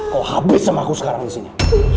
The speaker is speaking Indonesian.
lo habis sama aku sekarang disini